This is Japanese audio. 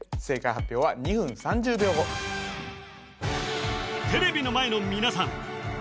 正解発表は２分３０秒後テレビの前の皆さん